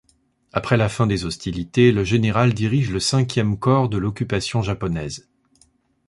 Après la fin des hostilités, le général dirige le cinquième corps de l'occupation japonaise.